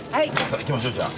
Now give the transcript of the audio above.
行きましょうじゃあ。